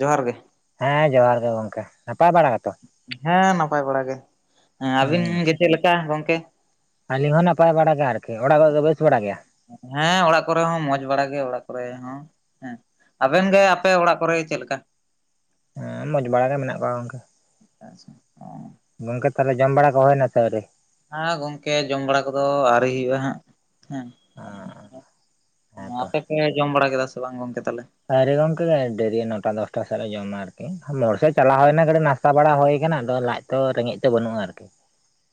ᱡᱚᱦᱟᱨ ᱜᱮ, ᱦᱮᱸ ᱡᱚᱦᱟᱨ ᱜᱮ ᱜᱚᱝᱠᱮ ᱱᱟᱯᱟᱭ ᱵᱟᱲᱟ ᱜᱮᱛᱚ᱾ ᱦᱮᱸ ᱱᱟᱯᱟᱭ ᱵᱟᱲᱟ ᱜᱮ᱾ ᱦᱮᱸ ᱟᱹᱵᱤᱱ ᱦᱩᱸ ᱜᱮ ᱪᱮᱫ ᱞᱮᱠᱟ ᱜᱚᱝᱠᱮ? ᱟᱹᱞᱤᱧ ᱦᱚᱸ ᱱᱟᱯᱟᱭ ᱵᱟᱲᱟ ᱜᱮ ᱟᱨᱠᱤ ᱚᱲᱟᱜ ᱠᱚᱨᱮ ᱫᱚ ᱵᱮᱥ ᱵᱟᱲᱟ ᱜᱮᱭᱟ? ᱦᱮᱸ ᱚᱲᱟᱜ ᱠᱚᱨᱮ ᱦᱚᱸ ᱢᱚᱸᱡᱽ ᱵᱟᱲᱟ ᱜᱮ ᱚᱲᱟᱜ ᱠᱚᱨᱮ ᱦᱚᱸ ᱦᱮᱸ ᱟᱵᱮᱱ ᱜᱮ ᱟᱯᱮ ᱚᱲᱟᱜ ᱠᱚᱨᱮ ᱪᱮᱫ ᱞᱮᱠᱟ? ᱦᱮᱸ ᱢᱚᱸᱡᱽ ᱵᱟᱲᱟ ᱜᱮ ᱢᱮᱱᱟᱜ ᱠᱚᱣᱟ ᱜᱚᱝᱠᱮ᱾ ᱟᱪᱪᱷᱟ ᱚ ᱜᱚᱝᱠᱮ ᱛᱟᱦᱚᱞᱮ ᱡᱚᱢ ᱵᱟᱲᱟ ᱠᱚ ᱦᱩᱭᱱᱟ ᱥᱮ ᱟᱹᱣᱨᱤ? ᱦᱟᱸ ᱜᱚᱝᱠᱮ ᱡᱚᱢ ᱵᱟᱲᱟ ᱠᱚᱫᱚ ᱟᱹᱣᱨᱤ ᱦᱩᱭᱩᱜ-ᱟ ᱦᱟᱸᱜ᱾ ᱦᱮᱸ ᱦᱮᱸᱛᱚ ᱟᱯᱮ ᱯᱮ ᱡᱚᱢ ᱵᱟᱲᱟ ᱠᱮᱫᱟ ᱥᱮ ᱵᱟᱝ ᱜᱚᱝᱠᱮ ᱛᱟᱦᱞᱮ? ᱟᱹᱣᱨᱤ ᱜᱚᱝᱠᱮ ᱰᱮᱨᱤ ᱱᱚᱴᱟ ᱫᱚᱥᱴᱟ ᱥᱮᱫ ᱞᱮ ᱡᱚᱢᱟ ᱟᱨᱠᱤ ᱢᱳᱲ ᱥᱮᱫ ᱪᱟᱞᱟᱣ ᱦᱩᱭᱱᱟ ᱠᱟᱹᱴᱤᱡ ᱱᱟᱥ ᱛᱟ ᱵᱟᱲᱟ ᱦᱩᱭ ᱠᱟᱱᱟ ᱟᱫᱚ ᱞᱟᱡ ᱛᱚ ᱨᱮᱸᱜᱮᱡ ᱫᱚ ᱵᱟᱹᱱᱩᱜ-ᱟ ᱟᱨᱠᱤ᱾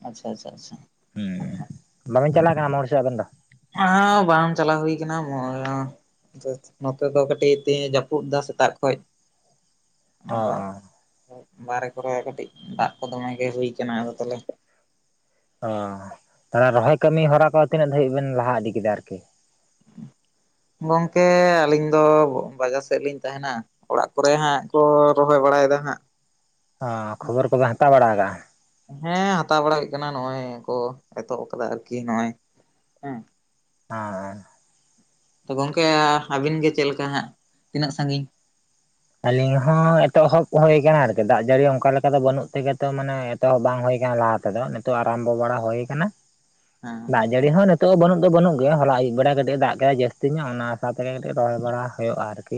ᱟᱪᱪᱷᱟ ᱟᱪᱷᱟ ᱟᱪᱷᱟ, ᱦᱩᱸ ᱵᱟᱵᱮᱱ ᱪᱟᱞᱟᱣ ᱠᱟᱱᱟ ᱢᱳᱲ ᱥᱮᱫ ᱟᱵᱮᱱ ᱫᱚ? [unintelligible] ᱵᱟᱝ ᱪᱟᱞᱟᱣ ᱦᱩᱭ ᱠᱟᱱᱟ ᱢᱳᱻ ᱱᱚᱛᱮ ᱫᱚ ᱠᱟᱹᱴᱤᱡ ᱛᱤᱦᱤᱧ ᱮ ᱡᱟᱹᱯᱩᱫ ᱫᱟ ᱥᱮᱛᱟᱜ ᱠᱷᱚᱡ᱾ ᱚ ᱟᱫᱚ ᱚ ᱵᱟᱨᱦᱨᱮ ᱠᱚᱨᱮ ᱠᱟᱹᱴᱤᱡ ᱫᱟᱜ ᱠᱚ ᱫᱚᱢᱮ ᱜᱮ ᱦᱩᱭ ᱠᱟᱱᱟ ᱟᱫᱚ ᱛᱟᱦᱚᱞᱮ᱾ ᱚ ᱛᱟᱦᱚᱞᱮ ᱨᱚᱦᱚᱭ ᱠᱟᱹᱢᱤ ᱦᱚᱨᱟ ᱠᱚ ᱛᱤᱱᱟᱹᱜ ᱫᱟᱹᱵᱤᱡ ᱵᱮᱱ ᱞᱟᱦᱟ ᱤᱫᱤ ᱠᱮᱫᱟ ᱟᱨᱠᱤ [inaudible] ᱜᱚᱝᱠᱮ ᱟᱹᱞᱤᱧ ᱫᱚ ᱵᱟᱡᱟᱨ ᱥᱮᱫ ᱞᱤᱧ ᱛᱟᱦᱮᱱᱟ᱾ ᱚᱲᱟᱜ ᱠᱚᱨᱮ ᱦᱟᱸᱜ ᱠᱚ ᱨᱚᱦᱚᱭ ᱵᱟᱲᱟᱭᱮᱫᱟ ᱦᱟᱸᱜ᱾ ᱚ ᱠᱷᱚᱵᱚᱨ ᱠᱚᱫᱚ ᱦᱟᱛᱟᱣ ᱵᱟᱲᱟ ᱠᱟᱜ-ᱟ᱾ ᱦᱮᱸ ᱦᱟᱛᱟᱣ ᱵᱟᱲᱟ ᱦᱩᱭᱩᱜ ᱠᱟᱱᱟ ᱱᱚᱜ-ᱚᱭ ᱠᱚ ᱮᱛᱚᱦᱚᱵ ᱟᱠᱟᱫᱟ ᱟᱨᱠᱤ ᱱᱚᱜ-ᱚᱭ ᱦᱮᱸ [unintelligible] ᱛᱚ ᱜᱚᱝᱠᱮ ᱟᱵᱤᱱ ᱜᱮ ᱪᱮᱫ ᱞᱮᱠᱟ ᱦᱟᱸᱜ ᱛᱤᱱᱟᱹᱜ ᱥᱟᱺᱜᱤᱧ ᱟᱞᱤᱧ ᱦᱚᱸ ᱮᱛᱚᱦᱚᱵ ᱦᱳᱭ ᱠᱟᱱᱟ ᱟᱨᱠᱤ ᱫᱟᱜ ᱡᱟᱹᱲᱤ ᱚᱱᱠᱟ ᱞᱮᱠᱟ ᱫᱚ ᱵᱟᱹᱱᱩᱜ ᱛᱮᱜᱮ ᱛᱚ ᱢᱟᱱᱮ ᱛᱚ ᱵᱟᱝ ᱦᱩᱭ ᱠᱟᱱᱟ ᱞᱟᱦᱟ ᱛᱮᱫᱚ ᱱᱤᱛᱚᱜ ᱟᱨᱟᱢᱵᱚ ᱵᱟᱲᱟ ᱦᱳᱭ ᱠᱟᱱᱟ ᱫᱟᱜ ᱡᱟᱹᱲᱤ ᱦᱚᱸ ᱱᱤᱛᱚᱜ ᱦᱚᱸ ᱵᱟᱹᱱᱩᱜ ᱫᱚ ᱵᱟᱹᱱᱩᱜ ᱜᱮᱭᱟ ᱦᱚᱞᱟ ᱟᱹᱭᱩᱵ ᱵᱮᱲᱟ ᱠᱟᱹᱴᱤᱡ ᱫᱟᱜ ᱠᱮᱫᱟ ᱡᱟᱹᱥᱛᱤ ᱧᱚᱜ ᱚᱱᱟ ᱥᱟᱶ ᱛᱮᱜᱮ ᱠᱟᱹᱴᱤᱡ ᱨᱚᱦᱚᱭ ᱵᱟᱲᱟ ᱦᱩᱭᱩᱜ-ᱟ ᱟᱨᱠᱤ᱾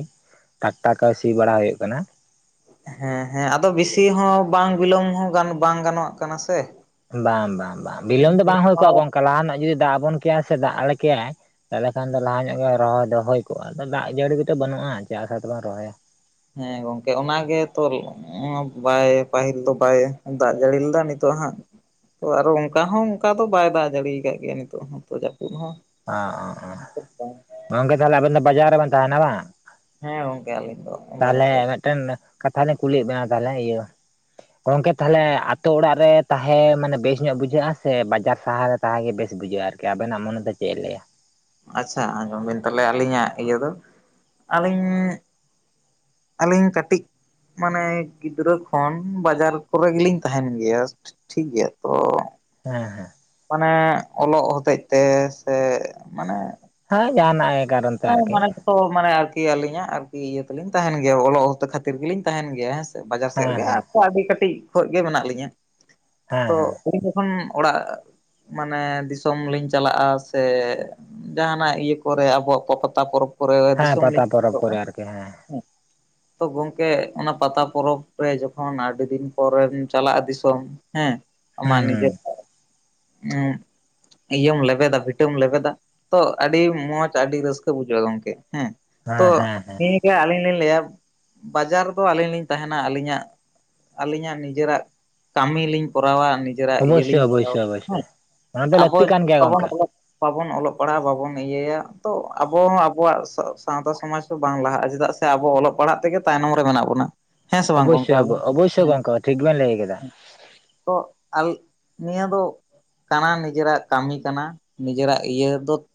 ᱴᱟᱴᱟ ᱠᱟᱹᱣ ᱥᱤ ᱵᱟᱲᱟ ᱦᱩᱭᱩᱜ ᱠᱟᱱᱟ᱾ ᱦᱮᱸ ᱦᱮᱸ ᱟᱫᱚ ᱵᱮᱥᱤ ᱦᱚᱸ ᱵᱟᱝ ᱵᱤᱞᱚᱢ ᱦᱚᱸ ᱜᱟᱱ ᱵᱟᱝ ᱜᱟᱱᱚᱜ ᱠᱟᱱᱟ ᱥᱮ᱾ ᱵᱟᱝ ᱵᱟᱝ ᱵᱟᱝ ᱵᱤᱞᱚᱢ ᱫᱚ ᱵᱟᱝ ᱦᱩᱭ ᱠᱚᱜ-ᱟ ᱜᱚᱝᱠᱟ ᱞᱟᱦᱟᱱᱟᱜ ᱡᱩᱫᱤ ᱫᱟᱜ ᱟᱵᱚᱱ ᱠᱮᱭᱟ ᱥᱮ ᱫᱟᱜ ᱟᱞᱮ ᱠᱮᱭᱟᱭ ᱛᱟᱦᱚᱞᱮ ᱠᱷᱟᱱ ᱫᱚ ᱞᱟᱦᱟ ᱧᱚᱜ ᱜᱮ ᱨᱚᱦᱚᱭ ᱫᱚ ᱦᱩᱭ ᱠᱚᱜᱼᱟ᱾ ᱫᱟᱜ ᱡᱟᱹᱲᱤ ᱠᱚᱫᱚ ᱵᱟᱹᱱᱩᱜᱼᱟ, ᱪᱮᱫ ᱟᱥᱟ ᱛᱮᱵᱚᱱ ᱨᱚᱦᱚᱭᱟ᱾ ᱦᱮᱸ ᱜᱚᱝᱠᱮ ᱚᱱᱟᱜ ᱛᱚ᱾ ᱵᱟᱭ ᱯᱟᱹᱦᱤᱞ ᱫᱚ ᱵᱟᱭ ᱫᱟᱜ ᱡᱟᱹᱲᱤ ᱞᱮᱫᱟ᱾ ᱱᱤᱛᱚᱜ ᱦᱟᱸᱜ ᱛᱚ ᱟᱨᱚ ᱚᱱᱠᱟ ᱦᱚᱸ ᱚᱱᱠᱟ ᱫᱚ ᱵᱟᱭ ᱫᱟᱜ ᱡᱟᱲᱤᱭᱟᱠᱟᱫ ᱜᱮᱭᱟ ᱱᱤᱛᱚᱜ ᱦᱚᱸ, ᱛᱚ ᱡᱟᱹᱯᱩᱫ ᱦᱚᱸ᱾ ᱚ ᱚ ᱾ᱜᱚᱝᱠᱮ ᱛᱟᱦᱚᱞᱮ ᱟᱵᱮᱱ ᱫᱚ ᱵᱟᱡᱟᱨ ᱨᱮ ᱵᱮᱱ ᱛᱟᱦᱮᱱᱟ ᱵᱟᱝ ᱾ ᱦᱮᱸ ᱜᱚᱝᱠᱮ, ᱟᱹᱞᱤᱧ ᱫᱚ ᱵᱟᱡᱟᱨ ᱥᱮᱫ ᱨᱮ᱾ ᱢᱤᱫᱴᱮᱱ ᱠᱟᱛᱷᱟ ᱞᱤᱧ ᱠᱩᱞᱤᱭᱮᱫ ᱵᱮᱱᱟ, ᱛᱟᱦᱚᱞᱮ ᱤᱭᱟᱹ ᱜᱚᱝᱠᱮ ᱛᱟᱦᱚᱞᱮ ᱟᱛᱳ ᱚᱲᱟᱜ ᱨᱮ ᱛᱟᱦᱮᱸ ᱢᱟᱱᱮ ᱵᱮᱥ ᱧᱚᱜ ᱵᱩᱡᱷᱟᱹᱜᱼᱟ, ᱥᱮ ᱵᱟᱡᱟᱨ ᱥᱟᱦᱟᱨ? ᱛᱟᱦᱮᱜᱮ ᱵᱮᱥ ᱵᱩᱡᱷᱟᱹᱜᱼᱟ ᱟᱨᱠᱤ, ᱟᱵᱮᱱᱟᱜ ᱢᱚᱱᱮ ᱫᱚ ᱪᱮᱫ ᱮ ᱞᱟᱹᱭᱟ? ᱟᱪᱪᱷᱟ ᱟᱸᱡᱚᱢ ᱵᱤᱱ ᱛᱟᱦᱚᱞᱮ ᱟᱹᱞᱤᱧᱟᱜ ᱤᱭᱟᱹ ᱫᱚ, ᱟᱹᱞᱤᱧ ᱟᱹᱞᱤᱧ ᱠᱟᱹᱴᱤᱡ ᱢᱟᱱᱮ ᱜᱤᱫᱽᱨᱟᱹ ᱠᱷᱚᱱ, ᱵᱟᱡᱟᱨ ᱠᱚᱨᱮ ᱜᱮᱞᱤᱧ ᱛᱟᱦᱮᱱ ᱜᱮᱭᱟ᱾ ᱴᱷᱤᱠ ᱜᱮᱭᱟ ᱛᱚ᱾ ᱦᱮᱸ ᱦᱮᱸ᱾ ᱢᱟᱱᱮ ᱚᱞᱚᱜ ᱦᱚᱛᱮᱡ ᱛᱮ ᱥᱮ, ᱢᱟᱱᱮ ᱦᱮᱸ ᱡᱟᱦᱟᱱᱟᱜ ᱮ ᱦᱮᱸ ᱢᱟᱱᱮ ᱡᱚᱛᱚ ᱢᱟᱱᱮ ᱟᱨᱠᱤ ᱟᱹᱞᱤᱧᱟᱜ ᱟᱨᱠᱤ ᱤᱭᱟᱹ ᱛᱮᱞᱤᱧ ᱛᱟᱦᱮᱱ ᱜᱮᱭᱟ ᱚᱞᱚᱜ ᱠᱷᱟᱹᱛᱤᱨ ᱜᱮᱞᱤᱧ ᱛᱟᱦᱮᱱ ᱜᱮᱭᱟ ᱦᱮᱸᱥᱮ ᱾ ᱵᱟᱡᱟᱨ ᱥᱮᱫ ᱦᱮᱸ ᱨᱮᱜᱮ ᱦᱮᱸ ᱟᱨ ᱟᱹᱰᱤ ᱠᱟᱹᱴᱤᱡ ᱠᱷᱚᱡ ᱜᱮ ᱢᱮᱱᱟᱜ ᱞᱤᱧᱟᱹ᱾ ᱦᱮᱸ ᱛᱚ ᱦᱮᱸ [unintelligible] ᱚᱲᱟᱜ ᱢᱟᱱᱮ ᱫᱤᱥᱚᱢ ᱞᱤᱧ ᱪᱟᱞᱟᱜᱼᱟ ᱥᱮ, ᱡᱟᱦᱟᱱᱟᱜ ᱤᱭᱟᱹ ᱠᱚᱨᱮ ᱟᱵᱚ ᱯᱟᱛᱟ ᱯᱚᱨᱚᱵᱽ ᱠᱚᱨᱮ ᱦᱮᱸ ᱫᱤᱥᱚᱢ ᱯᱟᱛᱟ ᱞᱤᱧ ᱯᱚᱨᱚᱵᱽ ᱥᱮᱱᱚᱜᱼᱟ ᱠᱚᱨᱮ ᱟᱨᱠᱤ ᱦᱮᱸ᱾ ᱛᱚ ᱜᱚᱝᱠᱮ, ᱚᱱᱟ ᱯᱟᱛᱟ ᱯᱚᱨᱚᱵᱽ ᱨᱮ ᱡᱚᱠᱷᱚᱱ ᱟᱹᱰᱤ ᱫᱤᱱ ᱯᱚᱨᱮᱢ ᱪᱟᱞᱟᱜᱼᱟ ᱫᱤᱥᱚᱢ᱾ ᱦᱮᱸ ᱦᱩᱸ ᱟᱢᱟᱜ ᱦᱩᱸ ᱱᱤᱡᱮᱨ [unintelligible] ᱤᱭᱟᱹᱢ ᱞᱮᱵᱮᱫᱟ ᱵᱷᱤᱴᱟᱹᱢ ᱞᱮᱵᱮᱫᱟ, ᱛᱚ ᱟᱹᱰᱤ ᱢᱚᱡᱽ ᱟᱹᱰᱤ ᱨᱟᱹᱥ ᱵᱩᱡᱟᱹᱣᱼᱟ ᱜᱚᱝᱠᱮ ᱦᱮᱸ, ᱛᱚ ᱦᱮᱸ ᱦᱮᱸ ᱦᱮᱸ ᱟᱹᱞᱤᱧ ᱞᱤᱧ ᱞᱟᱹᱭᱟ, ᱵᱟᱡᱟᱨ ᱫᱚ ᱟᱹᱞᱤᱧ ᱞᱤᱧ ᱛᱟᱦᱮᱱᱟ ᱟᱹᱞᱤᱧᱟᱜ ᱟᱹᱞᱤᱧᱟᱜ ᱱᱤᱡᱮᱨᱟᱜ ᱠᱟᱹᱢᱤ ᱞᱤᱧ ᱠᱚᱨᱟᱣᱼᱟ ᱾ ᱱᱤᱡ ᱱᱤᱡᱮᱨᱟᱜ ᱤᱭᱟᱹ ᱚᱵᱚᱥᱥᱳᱭ ᱞᱤᱧ ᱦᱟᱛᱟᱣᱼᱟ, ᱚᱵᱚᱥᱥᱳᱭ ᱚᱵᱚᱥᱥᱳᱭ ᱦᱮᱸ ᱚᱱᱟ ᱫᱚ ᱟᱵᱚ ᱞᱟᱹᱠᱛᱤ ᱠᱟᱱ [unintelligible] ᱜᱮᱭᱟ ᱵᱟᱵᱚᱱ ᱜᱚᱝᱠᱮ ᱵᱟᱵᱚᱱ ᱚᱞᱚᱜ ᱯᱟᱲᱦᱟᱜᱼᱟ, ᱵᱟᱵᱚᱱ ᱤᱭᱟᱹᱭᱟ ᱛᱚ ᱟᱵᱚ ᱦᱚᱸ ᱟᱵᱚᱣᱟᱜ ᱥᱟᱶᱛᱟ ᱥᱚᱢᱟᱡᱽ ᱦᱚᱸ ᱵᱟᱝ ᱞᱟᱦᱟᱜᱼᱟ, ᱪᱮᱫᱟᱜ ᱥᱮ ᱟᱵᱚ ᱚᱞᱚᱜ ᱯᱟᱲᱦᱟᱜ ᱛᱮᱜᱮ ᱛᱟᱭᱱᱚᱢ ᱨᱮ ᱢᱮᱱᱟᱜ ᱵᱚᱱᱟ᱾ ᱦᱮᱸ ᱥᱮ ᱵᱟᱝ ᱜᱚᱢᱠᱮ ᱚᱵᱚᱥᱥᱳᱭ ᱟᱵᱷᱮᱱ [unintelligible] ᱚᱵᱚᱥᱥᱳᱭ ᱦᱮᱸ ᱜᱚᱝᱠᱮ ᱴᱷᱤᱠ ᱵᱮᱱ ᱞᱟᱹᱭ ᱠᱮᱫᱟ ᱛᱚ ᱟᱞ ᱱᱤᱭᱟᱹ ᱫᱚ ᱠᱟᱱᱟ ᱱᱤᱡᱮᱨᱟᱜ ᱠᱟᱹᱢᱤ ᱠᱟᱱᱟ, ᱱᱤᱡᱮᱨᱟᱜ ᱤᱭᱟᱹ ᱫᱚ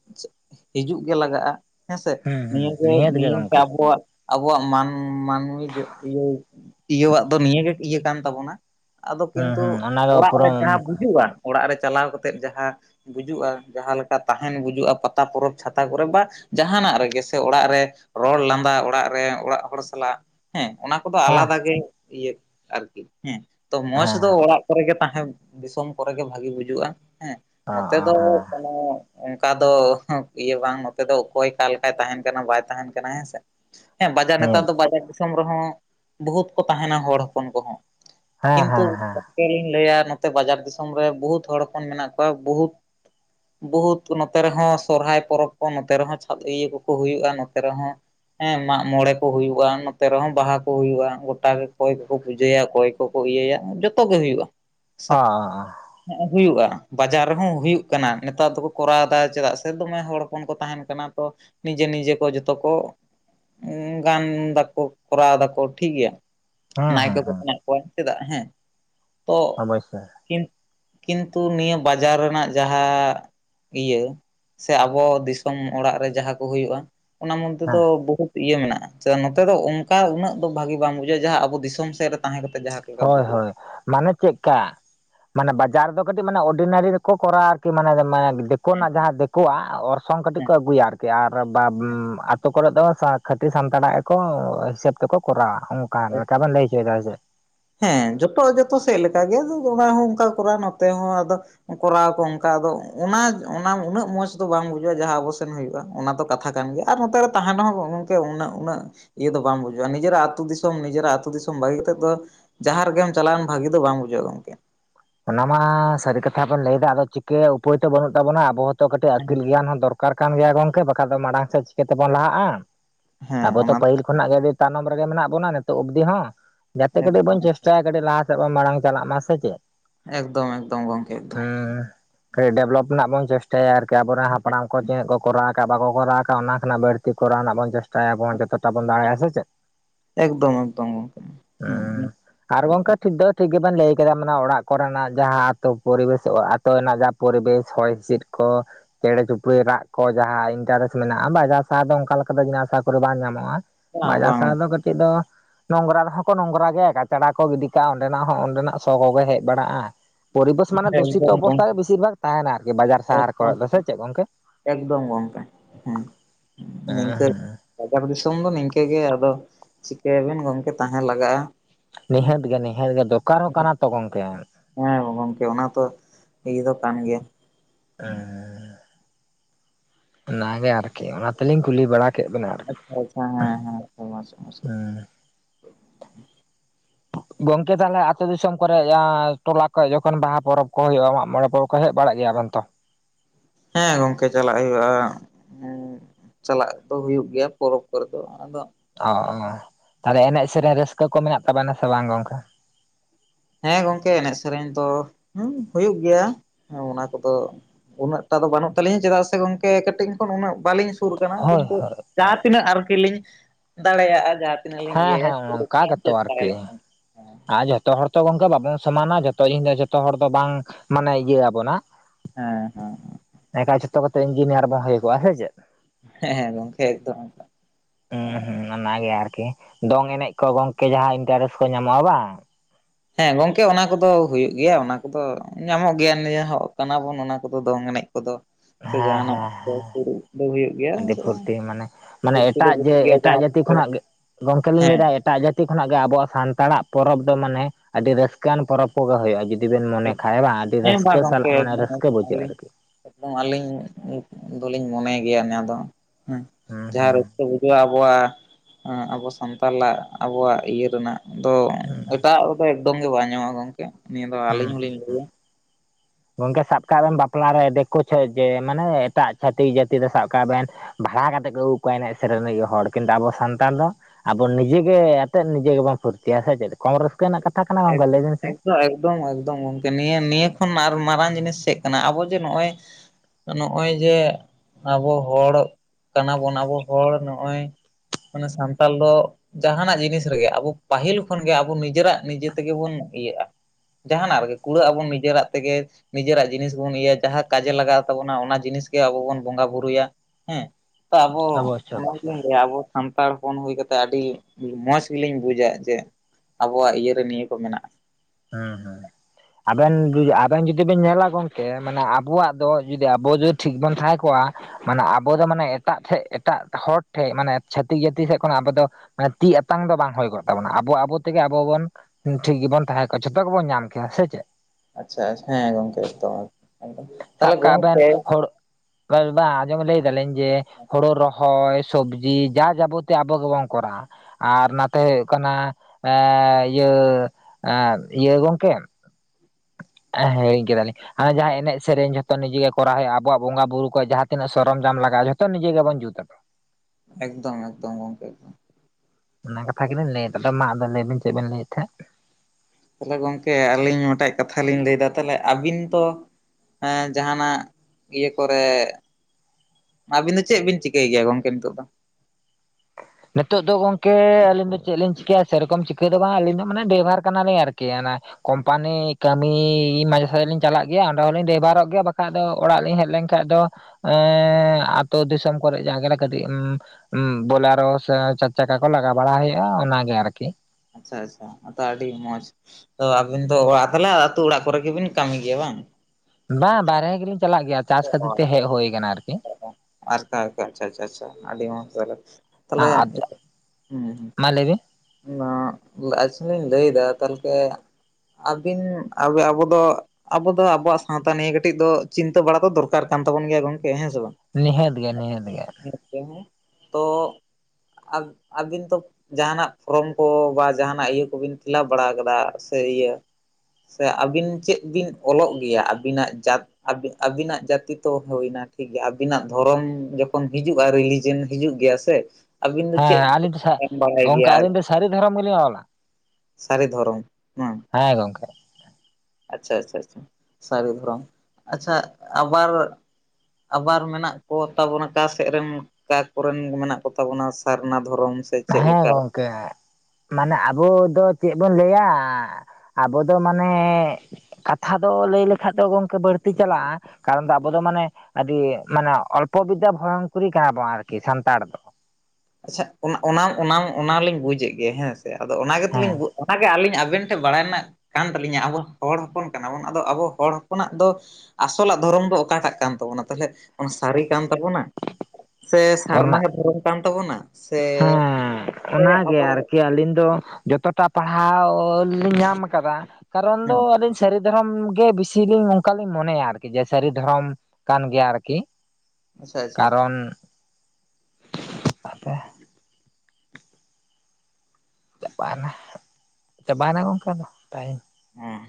ᱦᱤᱡᱩᱜ ᱜᱮ ᱞᱟᱜᱟᱜᱼᱟ᱾ ᱦᱮᱸᱥᱮ, ᱦᱩᱸ ᱦᱩᱸ ᱱᱤᱭᱟᱹᱜᱮ ᱱᱤᱦᱟᱹᱛ ᱜᱮ ᱱᱤᱭᱟᱹᱜᱮ ᱜᱚᱝᱠᱮ ᱟᱵᱚᱣᱟᱜ ᱟᱵᱚᱣᱟᱜ ᱢᱟᱹᱱᱢᱤ ᱤᱭᱟᱹᱣᱟᱜ ᱫᱚ, ᱱᱤᱭᱟᱹᱜᱮ ᱤᱭᱟᱹ ᱠᱟᱱ ᱛᱟᱵᱚᱱᱟ᱾ ᱟᱫᱚ ᱦᱩᱸ ᱦᱩᱸ ᱠᱤᱱᱛᱩ ᱚᱱᱟ ᱫᱚ ᱚᱲᱟᱜ ᱯᱩᱨᱟᱹ ᱨᱮ ᱦᱮᱸ ᱡᱟᱦᱟᱸ ᱵᱩᱡᱩᱜᱼᱟ᱾ ᱚᱲᱟᱜ ᱨᱮ ᱪᱟᱞᱟᱣ ᱠᱟᱛᱮᱜ ᱡᱟᱦᱟᱸ ᱵᱩᱡᱩᱜᱼᱟ᱾ ᱡᱟᱦᱟᱸ ᱞᱮᱠᱟ ᱛᱟᱦᱮᱱ ᱵᱩᱡᱩᱜᱼᱟ, ᱯᱟᱛᱟ ᱯᱚᱨᱚᱵᱽ ᱪᱷᱟ ᱠᱚᱨᱮ ᱵᱟ ᱡᱟᱦᱟᱱᱟᱜ ᱨᱮᱜᱮ ᱥᱮ, ᱚᱲᱟᱜ ᱨᱮ ᱨᱚᱲ ᱞᱟᱸᱫᱟ ᱚᱲᱟᱜ ᱨᱮ ᱚᱲᱟᱜ ᱦᱚᱲ ᱥᱟᱞᱟᱜ ᱦᱮᱸ, ᱚᱱᱟ ᱠᱚᱫᱚ ᱟᱞᱟᱫᱟ ᱜᱮ ᱤᱭᱟᱹ ᱟᱨᱠᱤ ᱦᱮᱸ ᱛᱚ ᱢᱚᱸᱡᱽ ᱦᱮᱸ ᱫᱚ ᱦᱮᱸ ᱚᱲᱟᱜ ᱠᱚᱨᱮ ᱜᱮ ᱛᱟᱦᱮᱸ ᱫᱤᱥᱚᱢ ᱠᱚᱨᱮ ᱜᱮ ᱵᱷᱟᱜᱤ ᱵᱩᱡᱩᱜᱼᱟ᱾ ᱦᱮᱸ ᱚ ᱱᱚᱛᱮ ᱚ ᱫᱚ ᱦᱮᱸ ᱠᱳᱱᱳ ᱚᱱᱠᱟ ᱫᱚ ᱤᱭᱟᱹ ᱵᱟᱝ, ᱱᱚᱛᱮ ᱫᱚ ᱚᱠᱚᱭ ᱚᱠᱟ ᱞᱮᱠᱟᱭ ᱛᱟᱦᱮᱱ ᱠᱟᱱᱟ ᱵᱟᱭ ᱛᱟᱦᱮᱱ ᱠᱟᱱᱟ ᱦᱮᱸᱥᱮ᱾ ᱦᱮᱸ ᱵᱟᱡᱟᱨ ᱱᱮᱛᱟᱨ ᱫᱚ ᱵᱟᱡᱟᱨ ᱫᱤᱥᱚᱢ ᱨᱮᱦᱚᱸ, ᱵᱚᱦᱩᱛ ᱠᱚ ᱛᱟᱦᱮᱱᱟ ᱦᱚᱲ ᱦᱚᱯᱚᱱ ᱠᱚᱦᱚᱸ᱾ ᱦᱮᱸ ᱦᱮᱸ ᱠᱤᱱᱛᱩ ᱦᱮᱸ ᱦᱮᱸ ᱜᱚᱝᱠᱮ ᱞᱤᱧ ᱞᱟᱹᱭᱟ, ᱱᱚᱛᱮ ᱵᱟᱡᱟᱨ ᱫᱤᱥᱚᱢ ᱨᱮ ᱵᱚᱦᱩᱛ ᱦᱚᱲ ᱦᱚᱯᱚᱱ ᱢᱮᱱᱟᱜ ᱠᱚᱣᱟ ᱵᱚᱦᱩᱛ ᱵᱚᱦᱩᱛ ᱱᱚᱛᱮ ᱨᱮᱦᱚᱸ, ᱥᱚᱨᱦᱟᱭ ᱯᱚᱨᱚᱵᱽ ᱠᱚ ᱱᱚᱛᱮ ᱨᱮᱦᱚᱸ ᱪᱷᱟᱫ ᱤᱭᱟᱹ ᱠᱚᱠᱚ ᱦᱩᱭᱩᱜᱼᱟ, ᱱᱚᱛᱮ ᱨᱮᱦᱚᱸ ᱦᱮᱸ ᱢᱟᱜ ᱢᱚᱬᱮ ᱠᱚ ᱦᱩᱭᱩᱜᱼᱟ, ᱱᱚᱛᱮ ᱨᱮᱦᱚᱸ ᱵᱟᱦᱟ ᱠᱚ ᱦᱩᱭᱩᱜᱼᱟ, ᱜᱚᱴᱟ ᱜᱮ ᱚᱠᱚᱭ ᱠᱚᱠᱚ ᱯᱩᱡᱟᱹᱭᱟ᱾ ᱚᱠᱚᱭ ᱠᱚ ᱠᱚ ᱠᱚ ᱤᱭᱟᱹᱭᱟ ᱡᱚᱛᱚ ᱜᱮ ᱦᱩᱭᱩᱜᱼᱟ᱾ ᱥᱟᱱᱟᱢ [unintelligible] ᱦᱩᱭᱩᱜᱼᱟ ᱵᱟᱡᱟᱨ ᱨᱮᱦᱚᱸ ᱦᱩᱭᱩᱜ ᱠᱟᱱᱟ ᱱᱮᱛᱟᱨ ᱫᱚᱠᱚ ᱠᱚᱨᱟᱣ ᱫᱟ ᱪᱮᱫᱟᱜ ᱥᱮ ᱫᱚᱢᱮ ᱦᱚᱲ ᱦᱚᱯᱚᱱ ᱠᱚ ᱛᱟᱦᱮᱱ ᱠᱟᱱᱟ ᱛᱚ ᱱᱤᱡᱮ ᱱᱤᱡᱮ ᱠᱚ ᱡᱚᱛᱚ ᱠᱚ, ᱜᱟᱱ ᱫᱟᱠᱚ ᱠᱚᱨᱟᱣ ᱫᱟᱠᱚ ᱴᱷᱤᱠ ᱜᱮᱭᱟ᱾ ᱦᱮᱸ ᱱᱟᱭᱠᱮ ᱦᱮᱸ ᱠᱚ ᱦᱮᱸ ᱢᱮᱱᱟᱜ ᱠᱚᱣᱟ ᱪᱮᱫᱟᱜ ᱦᱮᱸ ᱛᱚ ᱚᱵᱚᱥᱥᱳᱭ ᱠᱤᱱ ᱠᱤᱱᱛᱩ ᱱᱤᱭᱟᱹ ᱵᱟᱡᱟᱨ ᱨᱮᱱᱟᱜ ᱡᱟᱦᱟᱸ ᱤᱭᱟᱹ ᱥᱮ ᱟᱵᱚ, ᱫᱤᱥᱚᱢ ᱚᱲᱟᱜ ᱨᱮ ᱡᱟᱦᱟᱸ ᱠᱚ ᱦᱩᱭᱩᱜᱼᱟ ᱚᱱᱟ ᱢᱚᱫᱽᱫᱷᱮ ᱦᱮᱸ ᱫᱚ ᱵᱚᱦᱩᱛ, ᱤᱭᱟᱹ ᱢᱮᱱᱟᱜᱼᱟ ᱱᱚᱛᱮ ᱫᱚ ᱚᱱᱠᱟ ᱩᱱᱟᱹᱜ ᱫᱚ ᱵᱷᱟᱜᱤ ᱵᱟᱝ ᱵᱩᱡᱷᱟᱹᱜᱼᱟ ᱡᱟᱦᱟᱸ ᱟᱵᱚ ᱫᱤᱥᱚᱢ ᱥᱮᱫ ᱨᱮ ᱛᱟᱦᱮᱸ ᱠᱟᱛᱮ, ᱡᱟᱦᱟᱸ ᱞᱮᱠᱟ ᱦᱳᱭ, ᱵᱩᱡᱷᱟᱹᱜᱼᱟ ᱦᱳᱭ ᱢᱟᱱᱮ ᱪᱮᱫ ᱠᱟ ᱢᱟᱱᱮ ᱵᱟᱡᱟᱨ ᱨᱮ ᱫᱚ ᱠᱟᱹᱴᱤᱡ ᱢᱟᱱᱮ ᱚᱨᱰᱤᱱᱟᱨᱤ ᱨᱮᱠᱚ ᱠᱚᱨᱟᱣᱟ ᱟᱨᱠᱤ ᱢᱟᱱᱮ, ᱫᱤᱠᱩ ᱦᱮᱸ ᱨᱮᱱᱟᱜ ᱡᱟᱦᱟᱸ ᱫᱤᱠᱩᱣᱟᱜ ᱚᱨᱥᱚᱝ ᱠᱟᱹᱴᱤᱡ ᱠᱚ ᱦᱮᱸ ᱟᱹᱜᱩᱭᱟ ᱟᱨᱠᱤ ᱟᱨ ᱦᱮᱸ ᱟᱛᱳ, ᱠᱚᱨᱮ ᱫᱚ ᱠᱷᱟᱹᱴᱤ ᱥᱟᱱᱛᱟᱲᱟᱜ ᱜᱮᱠᱚ ᱦᱤᱥᱟᱹᱵ ᱛᱮᱠᱚ ᱠᱚᱨᱟᱣᱟ ᱚᱱᱠᱟ ᱞᱮᱠᱟ ᱵᱮᱱ ᱞᱟᱹᱭ ᱚᱪᱚᱭᱮᱫᱟ ᱥᱮ ᱪᱮᱫ? ᱦᱮᱸ ᱡᱚᱛᱚ, ᱡᱚᱛᱚ ᱥᱮᱫ ᱞᱮᱠᱟᱜᱮ ᱚᱱᱟ ᱦᱚᱸ ᱚᱱᱠᱟ ᱠᱚᱨᱟᱣ ᱱᱚᱛᱮ ᱦᱚᱸ ᱟᱫᱚ, ᱠᱚᱨᱟᱣ ᱠᱚ ᱚᱱᱠᱟ ᱟᱫᱚ ᱚᱱᱟ ᱚᱱᱟ ᱩᱱᱟᱹᱜ ᱢᱚᱸᱡᱽ ᱫᱚ ᱵᱟᱝ ᱵᱩᱡᱟᱹᱜᱼᱟ ᱡᱟᱦᱟᱸ ᱟᱵᱚ ᱥᱮᱱ ᱦᱩᱭᱩᱜᱼᱟ ᱚᱱᱟ ᱫᱚ, ᱠᱟᱛᱷᱟ ᱠᱟᱱ ᱜᱮᱭᱟ ᱟᱨ ᱱᱚᱛᱮ ᱨᱮ ᱛᱟᱦᱮᱱ ᱨᱮᱦᱚᱸ ᱜᱚᱝᱠᱮ ᱩᱱᱟᱹᱜ ᱩᱱᱟᱹᱜ ᱤᱭᱟᱹ ᱫᱚ ᱵᱟᱢ ᱵᱩᱡᱷᱟᱹᱜᱼᱟ ᱱᱤᱡᱮᱨᱟᱜ ᱟᱹᱛᱩ ᱫᱤᱥᱚᱢ ᱱᱤᱡᱮᱨᱟᱜ ᱟᱹᱛᱩ ᱫᱤᱥᱚᱢ ᱵᱷᱟᱹᱜᱤ ᱠᱟᱛᱮ ᱫᱚ, ᱡᱟᱦᱟᱸ ᱨᱮᱜᱮᱢ ᱪᱟᱞᱟᱣᱮᱱ ᱵᱷᱟᱹᱜᱤ ᱫᱚ ᱵᱟᱝ ᱵᱩᱡᱷᱟᱹᱜ-ᱟ ᱜᱚᱢᱠᱮ? ᱚᱱᱟ ᱢᱟ ᱥᱟᱹᱨᱤ ᱠᱟᱛᱷᱟ ᱵᱮᱱ ᱞᱟᱹᱭ ᱫᱟ ᱟᱫᱚ ᱪᱤᱠᱟᱹᱭᱟ ᱩᱯᱟᱹᱭ ᱛᱚ ᱵᱟᱹᱱᱩᱜ ᱛᱟᱵᱚᱱᱟ ᱟᱵᱚ ᱦᱚᱸᱛᱚ ᱠᱟᱹᱴᱤᱡ ᱟᱹᱠᱤᱞ ᱜᱮᱭᱟᱱ ᱦᱚᱸ ᱫᱚᱨᱠᱟᱨ᱾ ᱫᱚᱠᱟᱨ ᱠᱟᱱ ᱜᱮᱭᱟ ᱜᱚᱝᱠᱮ ᱵᱟᱠᱷᱟᱡ ᱫᱚ ᱢᱟᱲᱟᱝ ᱥᱮᱫ ᱪᱤᱠᱟᱹ ᱛᱮᱵᱚᱱ ᱞᱟᱦᱟᱜᱼᱟ, ᱦᱮᱸ ᱟᱵᱚ ᱛᱚ ᱚᱱᱟ ᱯᱟᱹᱦᱤᱞ ᱠᱷᱚᱱᱟᱜ ᱜᱮ ᱟᱹᱰᱤ, ᱛᱟᱭᱱᱚᱢ ᱨᱮᱜᱮ ᱢᱮᱱᱟᱜ ᱵᱚᱱᱟ ᱱᱤᱛᱚᱜ ᱚᱵᱫᱤ ᱦᱚᱸ ᱡᱟᱛᱮ ᱠᱟᱹᱴᱤᱡ ᱮᱠᱫᱚᱢ ᱵᱚᱱ ᱪᱮᱥᱴᱟᱭ ᱠᱟᱴᱤᱡ ᱞᱟᱦᱟ ᱥᱮᱫ ᱵᱚᱱ ᱢᱟᱲᱟᱝ ᱪᱟᱞᱟᱜ ᱢᱟ ᱥᱮ ᱪᱮᱫ? ᱮᱠᱫᱚᱢ ᱮᱠᱫᱚᱢ ᱜᱚᱝᱠᱮ᱾ ᱦᱮᱸ ᱠᱟᱹᱡ ᱰᱮᱵᱷᱞᱚᱯ ᱨᱮᱱᱟᱜ ᱵᱚᱱ ᱪᱮᱥᱴᱟᱭᱟ ᱟᱨᱠᱤ ᱟᱵᱚᱨᱮᱱ ᱦᱟᱯᱲᱟᱢ ᱠᱚ, ᱪᱮᱫ ᱠᱚ ᱠᱚᱨᱟᱣ ᱟᱠᱟᱫ ᱵᱟᱠᱚ ᱠᱚᱨᱟᱣ ᱟᱠᱟᱫ ᱚᱱᱟ ᱠᱷᱚᱱᱟᱜ ᱵᱟᱹᱲᱛᱤ ᱠᱚᱨᱟᱣ ᱨᱮᱱᱟᱜ ᱵᱚᱱ ᱪᱮᱥᱴᱟ ᱭᱟᱵᱚᱱ ᱡᱚᱛᱚ ᱴᱟ ᱵᱚᱱ ᱫᱟᱬᱮᱭᱟᱜ-ᱟ ᱥᱮ ᱪᱮᱫ? ᱮᱠᱫᱚᱢ ᱮᱠᱫᱚᱢ ᱮᱠᱫᱚᱢ ᱜᱚᱢᱠᱮ ᱦᱩᱸ ᱦᱮᱸ, ᱟᱨ ᱜᱚᱝᱠᱮ ᱴᱷᱤᱠ ᱫᱚ ᱴᱷᱤᱠ ᱜᱮᱵᱮᱱ ᱞᱟᱹᱭ ᱠᱮᱫᱟ ᱢᱟᱱᱮ ᱚᱲᱟᱜ ᱠᱚᱨᱮᱱᱟᱜ ᱡᱟᱦᱟᱸ ᱟᱛᱳ ᱯᱚᱨᱤᱵᱮᱥ ᱟᱹᱛᱳ ᱨᱮᱱᱟᱜ ᱡᱟᱦᱟᱸ ᱯᱚᱨᱤᱵᱮᱥ ᱦᱚᱭ ᱦᱤᱸᱥᱤᱫ ᱠᱚ, ᱪᱮᱬᱮ ᱪᱩᱯᱲᱤ ᱨᱟᱜ ᱠᱚ ᱡᱟᱦᱟᱸ ᱤᱱᱴᱟᱨᱮᱥᱴ ᱢᱮᱱᱟᱜᱼᱟ ᱵᱟᱡᱟᱨ ᱥᱟᱦᱟᱨ ᱫᱚ ᱚᱱᱠᱟ ᱞᱮᱠᱟ ᱫᱚ ᱟᱥᱟ ᱠᱚᱨᱮ ᱵᱟᱝ ᱧᱟᱢᱚᱜᱼᱟ᱾ ᱵᱟᱝ ᱵᱟᱡᱟᱨ ᱵᱟᱝ ᱥᱟᱦᱟᱨ ᱫᱚ, ᱪᱮᱫ ᱫᱚ ᱱᱚᱝᱨᱟ ᱨᱮᱦᱚᱸ ᱠᱚ ᱱᱚᱝᱨᱟ ᱜᱮᱭᱟ ᱠᱟᱪᱲᱟ ᱠᱚ ᱜᱤᱰᱤ ᱠᱟᱜᱼᱟ ᱚᱸᱰᱮᱱᱟᱜ ᱦᱚᱸ ᱚᱸᱰᱮᱱᱟᱜ ᱥᱚ ᱠᱚᱜ ᱦᱮᱡ ᱵᱟᱲᱟᱜᱼᱟ᱾ ᱯᱚᱨᱤᱵᱮᱥ ᱢᱟᱱᱮ ᱫᱩᱥᱤᱛᱚ ᱮᱠᱫᱚᱢ ᱚᱵᱚᱥᱛᱟ ᱜᱚᱢᱠᱮ ᱜᱮ ᱵᱮᱥᱤᱨ ᱵᱷᱟᱜ ᱛᱟᱦᱮᱱᱟ ᱟᱨᱠᱤ ᱵᱟᱡᱟᱨ ᱥᱟᱦᱟᱨ ᱠᱚᱨᱮ ᱮᱠᱫᱚᱢ ᱫᱚ ᱥᱮ ᱪᱮᱫ ᱜᱚᱝᱠᱮ? ᱮᱠᱫᱚᱢ ᱜᱚᱢᱠᱮ ᱦᱮ ᱦᱮᱸ ᱱᱤᱝᱠᱟᱹ᱾ ᱦᱮᱸ ᱵᱟᱡᱟᱨ ᱫᱤᱥᱚᱢ ᱫᱚ ᱱᱤᱝᱠᱟᱹ ᱜᱮ ᱟᱫᱚ ᱪᱤᱠᱟᱹᱭᱟᱵᱮᱱ ᱜᱚᱢᱠᱮ ᱛᱟᱦᱮᱸ ᱞᱟᱜᱟᱜᱼᱟ᱾ ᱱᱤᱦᱟᱹᱛ ᱜᱮ ᱱᱤᱦᱟᱹᱛ ᱜᱮ ᱫᱚᱨᱠᱟᱨ ᱦᱚᱸ ᱠᱟᱱᱟ ᱛᱚ ᱜᱚᱝᱠᱮ ᱦᱮᱸ ᱜᱚᱝᱠᱮ ᱚᱱᱟ ᱛᱚ, ᱤᱭᱟᱹ ᱫᱚ ᱠᱟᱱ ᱜᱮᱭᱟ᱾ ᱩᱸ ᱚᱱᱟᱜᱮ ᱟᱨᱠᱤ ᱚᱱᱟ ᱛᱮᱞᱤᱧ ᱠᱩᱞᱤ ᱵᱟᱲᱟ ᱠᱮᱫ ᱵᱮᱱᱟ ᱟᱨᱠᱤ? ᱟᱪᱪᱷᱟ ᱟᱪᱪᱷᱟ ᱦᱮᱸ ᱦᱮᱸ ᱢᱚᱡᱽ ᱢᱚᱡᱽ ᱦᱮᱸ, ᱜᱚᱝᱠᱮ ᱛᱟᱦᱚᱞᱮ ᱟᱹᱛᱩ ᱫᱤᱥᱚᱢ ᱠᱚᱨᱮ ᱭᱟ ᱴᱚᱞᱟ ᱠᱚ ᱡᱚᱠᱷᱚᱱ ᱵᱟᱦᱟ ᱯᱚᱨᱚᱵᱽ ᱠᱚ ᱦᱩᱭᱩᱜᱼᱟ ᱢᱟᱜ ᱢᱚᱬᱮ ᱯᱚᱨᱚᱵᱽ ᱠᱚ ᱦᱮᱡ ᱵᱟᱲᱟᱜ ᱜᱮᱭᱟ ᱵᱤᱱ ᱛᱚ? ᱦᱮᱸ ᱜᱚᱝᱠᱮ ᱪᱟᱞᱟᱜ ᱦᱩᱭᱩᱜᱼᱟ᱾ ᱪᱟᱞᱟᱜ ᱫᱚ ᱦᱩᱭᱩᱜ ᱜᱮᱭᱟ ᱯᱚᱨᱚᱵᱽ ᱠᱚᱨᱮ ᱫᱚ ᱟᱫᱚ, ᱚ ᱛᱟᱦᱚᱞᱮ ᱮᱱᱮᱡ ᱥᱮᱨᱮᱧ ᱨᱟᱹᱥᱠᱟᱹ ᱠᱚ ᱢᱮᱱᱟᱜ ᱛᱟᱵᱮᱱᱟ ᱥᱮ ᱵᱟᱝ ᱜᱚᱝᱠᱮ? ᱦᱮᱸ ᱜᱚᱝᱠᱮ ᱮᱱᱮᱡ ᱥᱮᱨᱮᱧ ᱫᱚ ᱦᱮᱸ ᱦᱩᱭᱩᱜ ᱜᱮᱭᱟ ᱚᱱᱟ ᱠᱚᱫᱚ, ᱩᱱᱟᱹᱜ ᱴᱟ ᱫᱚ ᱵᱟᱹᱱᱩᱜ ᱛᱟᱞᱤᱧᱟ ᱪᱮᱫᱟᱜ ᱥᱮ ᱜᱚᱝᱠᱮ ᱠᱟᱹᱴᱤᱡ ᱠᱷᱚᱱ ᱩᱱᱟᱹᱜ ᱵᱟᱹᱞᱤᱧ ᱥᱩᱨ ᱟᱠᱟᱱᱟ ᱦᱳᱭ ᱠᱤᱱᱛᱩ ᱦᱳᱭ ᱡᱟᱦᱟᱸ ᱛᱤᱱᱟᱹᱜ ᱟᱨᱠᱤ ᱞᱤᱧ ᱫᱟᱲᱮᱭᱟᱜᱼᱟ ᱡᱟᱦᱟᱸ ᱛᱤᱱᱟᱹᱜ ᱞᱤᱧ ᱦᱮᱸ ᱤᱭᱟᱹᱭᱟ ᱦᱮᱸ ᱯᱩᱨᱟᱹ ᱚᱱᱠᱟ ᱜᱮ ᱜᱮᱞᱤᱧ ᱛᱚ ᱟᱨᱠᱤ ᱪᱮᱥᱴᱟᱭᱟᱞᱤᱧ ᱦᱮᱸ ᱟᱨ ᱡᱚᱛᱚ ᱦᱚᱲ ᱡᱚᱛᱚ ᱜᱚᱝᱠᱮ ᱵᱟᱵᱚᱱ ᱥᱚᱢᱟᱱᱟ ᱡᱚᱛᱚ ᱤᱧ ᱫᱚ ᱡᱷᱚᱛᱚ ᱦᱚᱲ ᱫᱚ ᱵᱟᱝ ᱢᱟᱱᱮ ᱤᱭᱟᱹ ᱟᱵᱚᱱᱟ ᱦᱮᱸ ᱦᱮᱸ ᱾ ᱮᱠᱟ ᱡᱷᱚᱛᱚ ᱠᱟᱛᱮ ᱤᱧᱡᱤᱱᱤᱭᱟᱨ ᱵᱟᱝ ᱦᱩᱭ ᱠᱚᱜᱼᱟ ᱥᱮ ᱪᱮᱫ? ᱦᱮᱸᱮᱸ ᱜᱚᱢᱠᱮ ᱮᱠᱫᱚᱢ ᱾ ᱦᱩᱸ ᱦᱩᱸ ᱚᱱᱟᱜᱮ ᱟᱨ ᱠᱤ ᱫᱚᱝ ᱮᱱᱮᱡ ᱠᱚ ᱜᱚᱝᱠᱮ ᱡᱟᱦᱟᱸ ᱤᱱᱴᱟᱨᱮᱥᱴ ᱠᱚ ᱧᱟᱢᱚᱜᱼᱟ ᱵᱟᱝ? ᱦᱮᱸ ᱜᱚᱝᱠᱮ ᱚᱱᱟ ᱠᱚᱫᱚ ᱦᱩᱭᱩᱜ ᱜᱮᱭᱟ ᱚᱱᱟ ᱠᱚᱫᱚ ᱧᱟᱢᱚᱜ ᱜᱮᱭᱟ ᱱᱤᱭᱟᱹᱦᱚᱜ ᱠᱟᱱᱟ ᱵᱚᱱ ᱚᱱᱟ ᱠᱚᱫᱚ ᱫᱚᱝ ᱮᱱᱮᱡ ᱠᱚᱫᱚ ᱾ ᱥᱮ ᱦᱮᱸ ᱦᱮᱸ ᱡᱟᱦᱟᱱᱟᱜ ᱦᱮᱸ ᱫᱚ ᱥᱩᱨᱩᱜ ᱫᱚ ᱦᱩᱭᱩᱜ ᱜᱮᱭᱟ ᱟᱹᱰᱤ ᱯᱷᱩᱨᱛᱤ ᱢᱟᱱᱮ ᱢᱟᱱᱮ ᱯᱷᱩᱨᱛᱤ ᱫᱚ ᱮᱴᱟᱜ ᱡᱮ ᱦᱩᱭᱩᱜ ᱜᱮᱭᱟ ᱾ ᱮᱴᱟᱜ ᱡᱟᱹᱛᱤ ᱠᱷᱚᱱᱟᱜ ᱜᱚᱝᱠᱮ ᱞᱤᱧ ᱞᱟᱹᱭᱮᱫᱟ ᱮᱴᱟᱜ ᱡᱟᱹᱛᱤ ᱡᱚᱛᱚ ᱠᱷᱚᱱᱟᱜ ᱜᱮ ᱟᱵᱚᱣᱟᱜ ᱥᱟᱱᱛᱟᱲᱟᱜ ᱯᱚᱨᱚᱵᱽ ᱫᱚ ᱢᱟᱱᱮ ᱟᱹᱰᱤ ᱨᱟᱹᱥᱠᱟᱹᱣᱟᱱ ᱯᱚᱨᱚᱵᱽ ᱠᱚᱜᱮ ᱦᱩᱭᱩᱜᱼᱟ᱾ ᱡᱩᱫᱤ ᱡᱩᱫᱤ ᱵᱮᱱ ᱢᱚᱱᱮ ᱠᱷᱟᱡ ᱵᱟᱝ ᱟᱹᱰᱤ ᱦᱮᱸ ᱨᱟᱹᱥᱠᱟᱹ ᱵᱟᱝ ᱜᱚᱝᱠᱮ ᱥᱟᱞᱟᱜ ᱢᱟᱱᱮ ᱮᱠᱫᱚᱢ ᱨᱟᱹᱥᱠᱟᱹ ᱮᱠᱫᱚᱢ ᱵᱩᱡᱷᱟᱹᱜᱼᱟ ᱟᱹᱞᱤᱧ ᱟᱨᱠᱤ ᱾ ᱮᱠᱫᱚᱢ ᱟᱹᱞᱤᱧ ᱫᱚᱞᱤᱧ ᱢᱚᱱᱮ ᱜᱮᱭᱟ ᱚᱱᱟ ᱫᱚ ᱦᱮᱸ ᱦᱩᱸ ᱡᱟᱦᱟᱸ ᱦᱩᱸ ᱨᱟᱹᱥᱠᱟᱹ ᱵᱩᱡᱷᱟᱹᱣ ᱟᱵᱚᱣᱟᱜ ᱟᱵᱚ ᱥᱟᱱᱛᱟᱲᱟᱜ ᱟᱵᱚᱣᱟᱜ ᱤᱭᱟᱹ ᱨᱮᱱᱟᱜ ᱫᱚ ᱦᱩᱸ ᱮᱴᱟᱜ ᱮᱠᱫᱚᱢ ᱜᱮ ᱵᱟᱝ ᱧᱟᱢᱚᱜᱼᱟ ᱜᱚᱝᱠᱮ ᱱᱤᱭᱟᱹ ᱫᱚ ᱦᱩᱸ ᱟᱹᱞᱤᱧ ᱦᱚᱞᱤᱧ ᱞᱟᱹᱭᱟ ᱾ ᱜᱚᱝᱠᱮ ᱥᱟᱵ ᱠᱟᱜ ᱵᱮᱱ ᱵᱟᱯᱞᱟ ᱨᱮ ᱫᱤᱠᱩ ᱪᱮ ᱡᱮ ᱢᱟᱱᱮ ᱮᱴᱟᱜ ᱪᱷᱟᱛᱤᱠ ᱡᱟᱹᱛᱤ ᱨᱮ ᱥᱟᱵ ᱠᱟᱜ ᱵᱮᱱ ᱵᱷᱟᱲᱟ ᱠᱟᱛᱮ ᱠᱚ ᱟᱹᱜᱩ ᱠᱚᱣᱟ ᱮᱱᱮᱡ ᱥᱮᱨᱮᱧ ᱦᱚᱲ ᱠᱤᱱᱛᱩ ᱟᱵᱚ ᱥᱟᱱᱛᱟᱲ ᱫᱚ ᱟᱵᱚ ᱱᱤᱡᱮ ᱜᱮ ᱮᱛᱮᱫ ᱱᱤᱡᱮ ᱜᱮᱵᱚᱱ ᱯᱷᱩᱨᱛᱤᱭᱟ ᱥᱮ ᱪᱮᱫ ᱠᱚᱢ ᱨᱟᱹᱥᱠᱟᱹ ᱨᱮᱱᱟᱜ ᱠᱟᱛᱷᱟ ᱠᱟᱱᱟ ᱜᱚᱝᱠᱮ ᱮᱠᱫᱚᱢ ᱞᱟᱹᱭ ᱵᱮᱱᱥᱮ ᱾ ᱮᱠᱫᱚᱢ ᱮᱠᱫᱚᱢ ᱮᱠᱫᱚᱢ ᱜᱚᱢᱠᱮ ᱱᱤᱭᱟᱹ ᱱᱤᱭᱟᱹ ᱠᱷᱚᱱ ᱟᱨ ᱢᱟᱨᱟᱝ ᱡᱤᱱᱤᱥ ᱪᱮᱫ ᱠᱟᱱᱟ ᱟᱵᱚ ᱡᱮ ᱱᱚᱜᱼᱚᱭ ᱾ ᱱᱚᱜᱼᱚᱭ ᱡᱮ ᱟᱵᱚ ᱦᱚᱲ ᱠᱟᱱᱟ ᱵᱚᱱ ᱟᱵᱚ ᱦᱚᱲ ᱱᱚᱜᱼᱚᱭ, ᱢᱟᱱᱮ ᱥᱟᱱᱛᱟᱲ ᱫᱚ ᱡᱟᱦᱟᱱᱟᱜ ᱡᱤᱱᱤᱥ ᱨᱮᱜᱮ ᱟᱵᱚ ᱯᱟᱹᱦᱤᱞ ᱠᱷᱚᱱ ᱜᱮ ᱟᱵᱚ ᱱᱤᱡᱮᱨᱟᱜ ᱱᱤᱡᱮᱛᱮ ᱛᱮᱜᱮ ᱵᱚᱱ ᱤᱭᱟᱹᱜᱼᱟ ᱡᱟᱦᱟᱱᱟᱜ ᱨᱮᱜᱮ ᱠᱩᱲᱟᱹᱜ ᱟᱵᱚᱱ ᱱᱤᱡᱮᱨᱟᱜ ᱛᱮᱜᱮ ᱾ ᱱᱤᱡᱮᱨᱟᱜ ᱡᱤᱱᱤᱥ ᱵᱚᱱ ᱤᱭᱟᱹ ᱡᱟᱦᱟᱸ ᱠᱟᱡᱮ ᱞᱟᱜᱟᱣ ᱛᱟᱵᱚᱱᱟ ᱚᱱᱟ ᱡᱤᱱᱤᱥ ᱜᱮ ᱟᱵᱚ ᱵᱚᱱ ᱵᱚᱸᱜᱟ ᱵᱩᱨᱩᱭᱟ ᱦᱮᱸ ᱾ ᱛᱚ ᱟᱵᱚ ᱢᱚᱡ ᱚᱵᱚᱥᱥᱳᱭ ᱚᱱᱟ ᱚᱵᱚᱥᱥᱳᱭ ᱜᱮᱛᱚᱧ ᱞᱟᱹᱭᱟ ᱟᱵᱚ ᱥᱟᱱᱛᱟᱲ ᱦᱚᱯᱚᱱ ᱦᱩᱭ ᱠᱟᱛᱮ ᱟᱹᱰᱤ ᱢᱚᱸᱡᱽ ᱜᱮ ᱞᱤᱧ ᱵᱩᱡᱟ ᱡᱮ ᱟᱵᱚᱣᱟᱜ ᱤᱭᱟᱹᱨᱮ ᱱᱤᱭᱟᱹ ᱠᱚ ᱢᱮᱱᱟᱜᱼᱟ ᱾ ᱦᱮᱸ ᱦᱮᱸ ᱾ ᱟᱵᱮᱱ ᱟᱵᱮᱱ ᱡᱩᱫᱤ ᱵᱮᱱ ᱧᱮᱞᱟ ᱜᱚᱝᱠᱮ ᱢᱟᱱᱮ ᱟᱵᱚᱣᱟᱜ ᱫᱚ ᱡᱩᱫᱤ ᱟᱵᱚ ᱡᱩᱫᱤ ᱴᱷᱤᱠ ᱵᱚᱱ ᱛᱟᱦᱮᱸ ᱠᱚᱜᱼᱟ ᱢᱟᱱᱮ ᱟᱵᱚ ᱫᱚ ᱢᱟᱱᱮ ᱮᱴᱟᱜ ᱴᱷᱮᱡ ᱮᱴᱟᱜ ᱦᱚᱲ ᱴᱷᱮᱡ ᱢᱟᱱᱮ ᱪᱷᱟᱹᱛᱤᱠ ᱡᱟᱹᱛᱤ ᱥᱮᱫ ᱠᱷᱚᱱᱟᱜ ᱟᱵᱟ ᱫᱚ, ᱢᱟᱱᱮ ᱛᱤ ᱟᱛᱟᱝ ᱫᱚ ᱵᱟᱝ ᱦᱩᱭ ᱠᱚᱜ ᱛᱟᱵᱚᱱᱟ ᱟᱵᱚ ᱟᱵᱚ ᱛᱮᱜᱮ ᱟᱵᱚ ᱵᱚᱱ ᱴᱷᱤᱠ ᱜᱮᱵᱚᱱ ᱛᱟᱦᱮᱸ ᱡᱷᱚᱛᱚ ᱜᱮᱵᱚᱱ ᱧᱟᱢ ᱠᱮᱭᱟ ᱥᱮ ᱪᱮᱫ? ᱟᱪᱪᱷᱟ ᱦᱮᱸ ᱜᱚᱢᱠᱮ ᱮᱠᱫᱚᱢ ᱮᱠᱫᱚᱢ ᱥᱟᱵ ᱛᱟᱦᱚᱞᱮ ᱠᱟᱜ ᱵᱮᱱ ᱜᱚᱝᱠᱮ ᱦᱚᱲ ᱵᱟᱝ ᱵᱟ ᱟᱡᱚᱢ ᱞᱟᱹᱭ ᱫᱟᱞᱤᱧ ᱡᱮ, ᱦᱳᱲᱳ ᱨᱚᱦᱚᱭ ᱥᱚᱵᱡᱤ ᱡᱟ ᱡᱟᱵᱚᱛᱤᱭ ᱟᱵᱚ ᱜᱮᱵᱚᱱ ᱠᱚᱨᱟᱣᱼᱟ ᱾ ᱟᱨ ᱱᱟᱛᱮ ᱦᱩᱭᱩᱜ ᱠᱟᱱᱟ ᱤᱭᱟᱹ ᱤᱭᱟᱹ ᱜᱚᱝᱠᱮ, ᱦᱮᱸ ᱦᱤᱲᱤᱧ ᱠᱮᱫᱟ ᱞᱤᱧ ᱦᱟᱱᱮ ᱡᱟᱦᱟᱸ ᱮᱱᱮᱡ ᱥᱮᱨᱮᱧ ᱡᱷᱚᱛᱚ ᱱᱤᱡᱮ ᱜᱮ ᱠᱚᱨᱟᱣ ᱦᱩᱭᱩᱜᱼᱟ ᱟᱵᱚᱣᱟᱜ ᱵᱚᱸᱜᱟ ᱵᱩᱨᱩ ᱠᱚᱣᱟᱜ ᱡᱟᱦᱟᱸ ᱛᱤᱱᱟᱹᱜ ᱥᱚᱨᱚᱢ ᱫᱟᱢ ᱞᱟᱜᱟᱜᱼᱟ ᱡᱚᱛᱚ ᱱᱤᱡᱮ ᱜᱮᱵᱚᱱ ᱡᱩᱛᱟ ᱾ ᱮᱠᱫᱚᱢ ᱮᱠᱫᱚᱢ ᱜᱚᱢᱠᱮ ᱮᱠᱫᱚᱢ ᱾ ᱚᱱᱟ ᱠᱟᱛᱷᱟ ᱜᱮ ᱞᱤᱧ ᱞᱟᱹᱭ ᱮᱫᱟ ᱢᱟ ᱟᱫᱚ ᱞᱟᱹᱭ ᱵᱤᱱ ᱪᱮᱫ ᱵᱤᱱ ᱞᱟᱹᱭ ᱮᱫᱟ ᱛᱟᱦᱮᱸᱫ ᱾ ᱛᱟᱦᱚᱞᱮ ᱜᱚᱢᱠᱮ ᱟᱹᱞᱤᱧ ᱢᱤᱫᱴᱟᱝ ᱠᱟᱛᱷᱟ ᱞᱤᱧ ᱞᱟᱹᱭᱮᱫᱟ ᱛᱟᱦᱚᱞᱮ ᱟᱹᱵᱤᱱ ᱛᱚ ᱦᱮᱸ ᱡᱟᱦᱟᱱᱟᱜ ᱤᱭᱟᱹ ᱠᱚᱨᱮ ᱟᱵᱤᱱ ᱫᱚ ᱪᱮᱫ ᱵᱤᱱ ᱪᱤᱠᱟᱹᱭ ᱜᱮᱭᱟ ᱜᱚᱝᱠᱮ ᱱᱤᱛᱚᱜ ᱫᱚ? ᱱᱤᱛᱚᱜ ᱫᱚ ᱜᱚᱝᱠᱮ ᱟᱹᱞᱤᱧ ᱫᱚ ᱪᱮᱫ ᱞᱤᱧ ᱪᱤᱠᱟᱹᱭᱟ ᱥᱮ ᱨᱚᱠᱚᱢ ᱪᱤᱠᱟᱹ ᱫᱚ ᱵᱟᱝ ᱟᱹᱞᱤᱧ ᱫᱚ ᱢᱟᱱᱮ ᱰᱟᱭᱵᱷᱟᱨ ᱠᱟᱱᱟ ᱞᱤᱧ ᱟᱨ ᱠᱤ ᱦᱟᱱᱮ ᱠᱳᱢᱯᱟᱱᱤ ᱠᱟᱹᱢᱤ ᱢᱟᱡᱮ ᱥᱟᱸᱡᱮ ᱞᱤᱧ ᱪᱟᱞᱟᱜ ᱜᱮᱭᱟ ᱚᱸᱰᱮ ᱦᱚᱸ ᱞᱤᱧ ᱵᱮᱭᱵᱟᱨᱚᱜ ᱜᱮᱭᱟ ᱵᱟᱠᱷᱟᱡ ᱫᱚ ᱚᱲᱟᱜ ᱞᱤᱧ ᱦᱮᱡ ᱞᱮᱱᱡᱷᱟᱱ ᱮᱠᱠᱷᱟᱡ ᱫᱚ ᱟᱛᱳ ᱫᱤᱥᱚᱢ ᱠᱚᱨᱮ ᱡᱮ ᱠᱟᱹᱴᱤᱡ ᱵᱳᱞᱟᱨᱳ ᱥᱮ ᱪᱟᱨ ᱪᱟᱠᱟ ᱠᱚ ᱞᱟᱜᱟ ᱵᱟᱲᱟ ᱦᱩᱭᱩᱜᱼᱟ ᱚᱱᱟᱜᱮ ᱟᱨᱠᱤ ᱾ ᱟᱪᱷᱟ ᱟᱪᱷᱟ ᱟᱫᱚ ᱟᱹᱰᱤ ᱢᱚᱸᱡᱽ᱾ ᱛᱚ ᱟᱵᱤᱱ ᱫᱚ ᱚᱲᱟᱜ ᱛᱟᱞᱟ ᱟᱛᱩ ᱚᱲᱟᱜ ᱠᱚᱨᱮ ᱜᱮᱵᱤᱱ ᱠᱟᱹᱢᱤ ᱜᱮᱭᱟ ᱵᱟᱝ? ᱵᱟ ᱵᱟᱨᱦᱮ ᱜᱮᱞᱤᱧ ᱪᱟᱞᱟᱜ ᱜᱮᱭᱟ ᱪᱟᱥ ᱠᱷᱟᱹᱛᱤᱨ ᱛᱮ ᱦᱮᱡ ᱦᱩ ᱟᱠᱟᱱᱟ ᱟᱨᱠᱤ᱾ [unintelligible] ᱟᱹᱰᱤ ᱢᱚᱸᱡᱽ ᱛᱟᱦᱚᱞᱮ ᱛᱟᱦᱚᱞᱮ᱾ ᱢᱟ ᱦᱮᱸ ᱞᱟᱹᱭᱵᱤᱱ ᱚᱱᱟ ᱟᱪᱪᱷᱟᱞᱤᱧ ᱞᱟᱹᱭᱫᱟ ᱛᱟᱦᱞᱮᱞᱮ᱾ ᱟᱹᱵᱤᱱ ᱟᱵᱮ ᱟᱵᱚ ᱫᱚ ᱟᱵᱚ ᱫᱚ ᱟᱵᱚᱣᱟᱜ ᱥᱟᱶᱛᱟ ᱱᱤᱭᱟᱹ ᱠᱟᱹᱴᱤᱡ ᱫᱚ ᱪᱤᱱ [unintelligible] ᱵᱟᱲᱟ ᱫᱚ ᱫᱚᱠᱟᱨ ᱠᱟᱱ ᱛᱟᱵᱚᱱ ᱜᱮᱭᱟ ᱜᱚᱝᱠᱮ ᱦᱮᱸ ᱥᱮ ᱵᱟᱝ? ᱱᱤᱦᱟᱹᱛ ᱜᱮ ᱱᱤᱦᱟᱹᱛ ᱜᱮ᱾ ᱛᱚ ᱟᱹᱵᱤᱱ ᱛᱚ᱾ ᱡᱟᱦᱟᱱᱟᱜ ᱯᱷᱨᱚᱢ ᱠᱚ ᱵᱟ ᱡᱟᱦᱟᱱᱟᱜ ᱤᱭᱟᱹ ᱠᱚᱵᱤᱱ ᱯᱷᱤᱞᱟᱯ ᱵᱟᱲᱟ ᱟᱠᱟᱫᱟ ᱥᱮ ᱤᱭᱟᱹ᱾ ᱥᱮ ᱟᱹᱵᱤᱱ ᱪᱮᱫ ᱵᱤᱱ ᱚᱞᱚᱜ ᱜᱮᱭᱟ ᱟᱹᱵᱤᱱᱟᱜ ᱡᱟᱛ ᱟᱹᱵ ᱟᱹᱵᱤᱱᱟᱜ ᱡᱟᱹᱛᱤ ᱛᱚ ᱦᱩᱭᱱᱟ ᱴᱷᱤᱠ ᱜᱮᱭᱟ ᱟᱹᱵᱤᱱᱟᱜ ᱫᱷᱚᱨᱚᱢ ᱡᱚᱠᱷᱚᱱ ᱦᱤᱡᱩᱜᱼᱟ ᱨᱤᱞᱤᱡᱮᱱ ᱦᱤᱡᱩᱜ ᱜᱮᱭᱟ ᱥᱮ᱾ ᱟᱹᱵᱤᱱ ᱫᱚ ᱦᱮᱸ ᱪᱮᱫ ᱟᱹᱞᱤᱧ ᱫᱚ ᱥᱟ ᱮᱢ ᱵᱟᱲᱟᱭ ᱜᱚᱝᱠᱮ ᱜᱮᱭᱟ ᱟᱹᱞᱤᱧ ᱫᱚ ᱥᱟᱹᱨᱤ ᱫᱷᱚᱨᱚᱢ ᱜᱮᱞᱤᱧ ᱚᱞᱟ᱾ ᱥᱟᱹᱨᱤ ᱫᱷᱚᱨᱚᱢ ᱦᱩᱸ᱾ ᱦᱮᱸ ᱜᱚᱝᱠᱮ᱾ ᱟᱪᱪᱷᱟ ᱟᱪᱪᱷᱟ ᱟᱪᱪᱷᱟ ᱥᱟᱹᱨᱤ ᱫᱷᱚᱨᱚᱢ ᱟᱪᱪᱷᱟ ᱟᱵᱟᱨ᱾ ᱟᱵᱟᱨ ᱢᱮᱱᱟᱜ ᱠᱚ ᱛᱟᱵᱚᱱᱟ ᱠᱟ ᱥᱮᱫ ᱨᱮᱱ᱾ ᱠᱟᱠᱚᱨᱮᱱ ᱢᱮᱱᱟᱜ ᱠᱚ ᱛᱟᱵᱚᱱᱟ ᱥᱟᱨᱱᱟ ᱫᱷᱚᱨᱚᱢ᱾ ᱥᱮ ᱪᱮᱫ ᱦᱮᱸ ᱞᱮᱠᱟ ᱜᱚᱝᱠᱮ ᱢᱟᱱᱮ ᱟᱵᱚ ᱫᱚ ᱪᱮ ᱵᱚᱱ ᱞᱟᱹᱭᱟ᱾ ᱟᱵᱚ ᱫᱚ ᱢᱟᱱᱮ ᱠᱟᱛᱷᱟ ᱫᱚ ᱞᱟᱹᱭ ᱞᱮᱠᱷᱟᱭ ᱫᱚ ᱜᱚᱝᱠᱮ ᱵᱟᱹᱲᱛᱤ ᱪᱟᱞᱟᱜᱼᱟ᱾ ᱠᱟᱨᱚᱱ ᱫᱚ ᱟᱵᱚ ᱫᱚ ᱢᱟᱱᱮ ᱟᱹᱰᱤ ᱢᱟᱱᱮ ᱚᱞᱯᱚ ᱵᱤᱫᱽᱫᱟ ᱵᱷᱚᱭᱚᱝᱠᱚᱨᱤ ᱠᱟᱱᱟ ᱵᱚᱱ ᱟᱨᱠᱤ ᱥᱟᱱᱛᱟᱲ ᱫᱚ᱾ ᱟᱪᱪᱷᱟ ᱚᱱᱟ ᱚᱱᱟ ᱚᱱᱟᱞᱤᱧ ᱵᱩᱡᱮ ᱜᱮ ᱦᱮᱸ ᱥᱮ ᱟᱫᱚ ᱚᱱᱟ ᱦᱮᱸ ᱜᱮᱛᱚᱞᱤᱧ ᱵᱩ ᱚᱱᱟᱜᱮ ᱟᱹᱞᱤᱧ ᱟᱵᱮᱱ ᱴᱷᱮ ᱵᱟᱲᱟᱭ ᱨᱮᱱᱟᱜ᱾ ᱠᱟᱱ ᱛᱟᱞᱤᱧᱟ ᱟᱵᱚ ᱦᱚᱲ ᱦᱚᱯᱚᱱ ᱠᱟᱱᱟ ᱵᱚᱱ ᱟᱫᱚ ᱟᱵᱚ ᱦᱚᱲ ᱦᱚᱯᱚᱱᱟᱜ ᱫᱚ᱾ ᱟᱥᱚᱞᱟᱜ ᱫᱷᱚᱨᱚᱢ ᱫᱚ ᱚᱠᱟᱴᱟᱜ ᱠᱟᱱ ᱛᱟᱵᱚᱱᱟ ᱛᱟᱦᱚᱞᱮ ᱚᱱᱟ ᱥᱟᱹᱨᱤ ᱠᱟᱱ ᱛᱟᱵᱚᱱᱟ? ᱥᱮ ᱥᱟᱨᱱᱟ ᱚᱱᱟ ᱫᱷᱚᱨᱚᱢ ᱠᱟᱱ ᱛᱟᱵᱚᱱᱟ? ᱥᱮ ᱦᱮᱸ ᱥᱮ ᱚᱱᱟᱜᱮ ᱟᱵᱟᱨ ᱟᱨᱠᱤ ᱟᱹᱞᱤᱧ ᱫᱚ ᱡᱚᱛᱚ᱾ [inaudible] ᱯᱟᱲᱦᱟᱣ ᱞᱤᱧ ᱧᱟᱢ ᱟᱠᱟᱫᱟ ᱠᱟᱨᱚᱱ ᱫᱚ ᱦᱮᱸ ᱟᱹᱞᱤᱧ᱾ ᱥᱟᱹᱨᱤ ᱫᱷᱚᱨᱚᱢ ᱜᱮ ᱵᱤᱥᱤᱞᱤᱧ ᱚᱱᱠᱟᱞᱤᱧ ᱢᱚᱱᱮᱭᱟ ᱟᱨᱠᱤ ᱡᱮ ᱥᱟᱹᱨᱤ ᱫᱷᱚᱨᱚᱢ᱾ ᱠᱟᱱ ᱜᱮᱭᱟ ᱟᱨᱠᱤ᱾ ᱟᱪᱪᱷᱟ ᱟᱪᱪᱷᱟ ᱟᱪᱪᱷᱟ᱾ ᱠᱟᱨᱚᱱ ᱟᱯᱮ᱾ ᱪᱟᱵᱟᱭᱱᱟ ᱪᱟᱵᱟᱭᱱᱟ ᱜᱚᱝᱠᱮ ᱟᱫᱚ ᱛᱟᱦᱮᱭ ᱱᱟ᱾ ᱦᱮᱸ᱾